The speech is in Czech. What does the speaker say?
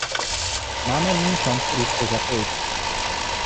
Máme nyní šanci Rusko zapojit.